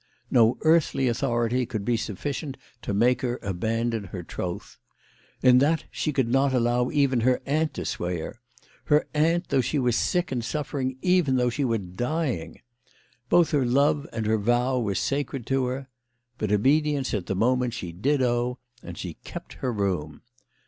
No earthly authority could be sufficient to make her abandon her troth. In that she could not allow even her aunt to sway her, her aunt though she were sick and suffering, even though she were dying ! Both her love and her vow were sacred to her. But obedience at the moment she did owe, and she kept her room.